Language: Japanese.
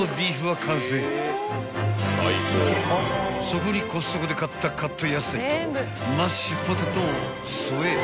［そこにコストコで買ったカット野菜とマッシュポテトを添え］